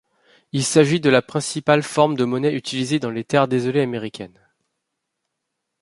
Il s'agit de la principale forme de monnaie utilisée dans les terres désolées américaines.